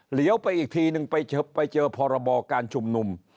เหยียวไปอีกทีนึงไปเจอพรบการชุมนุม